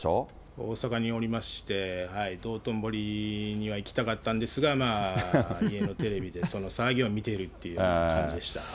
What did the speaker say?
大阪におりまして、道頓堀には行きたかったんですが、まあ、家のテレビで、その騒ぎを見ているっていう感じでした。